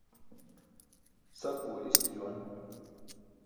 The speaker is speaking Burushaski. Sapuwe isk juwan.